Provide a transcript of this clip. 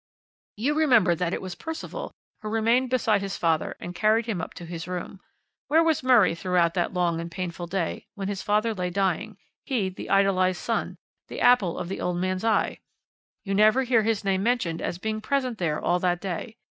"You remember that it was Percival who remained beside his father and carried him up to his room. Where was Murray throughout that long and painful day, when his father lay dying he, the idolised son, the apple of the old man's eye? You never hear his name mentioned as being present there all that day.